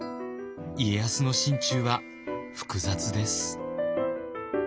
家康の心中は複雑です。